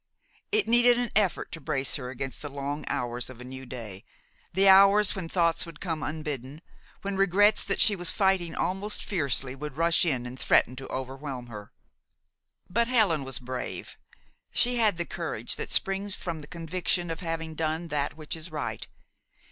It needed an effort to brace herself against the long hours of a new day, the hours when thoughts would come unbidden, when regrets that she was fighting almost fiercely would rush in and threaten to overwhelm her. But Helen was brave. She had the courage that springs from the conviction of having done that which is right.